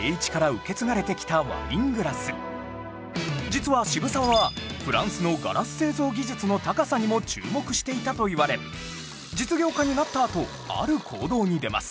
実は渋沢はフランスのガラス製造技術の高さにも注目していたといわれ実業家になったあとある行動に出ます